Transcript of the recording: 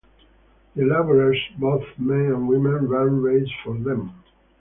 The laborers, both men and women, ran races for them.